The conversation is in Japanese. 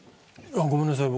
ごめんなさい